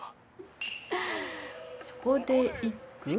そこで一句？